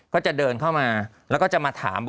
ก็จะเดินเข้ามาแล้วก็จะมาถาม